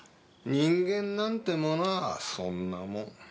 人間なんてものはそんなもん。